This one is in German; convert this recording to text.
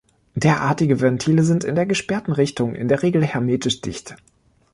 Derartige Ventile sind in der gesperrten Richtung in der Regel hermetisch dicht.